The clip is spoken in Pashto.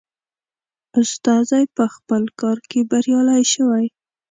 استازی په خپل کار کې بریالی شوی.